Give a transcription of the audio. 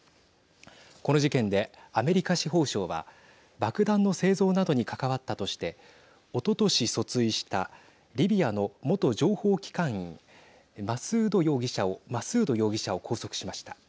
この事件でアメリカ司法省は爆弾の製造などに関わったとしておととし訴追したリビアの元情報機関員マスード容疑者を拘束しました。